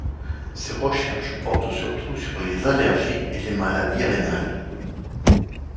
Ses recherches portent surtout sur les allergies et les maladies rénales.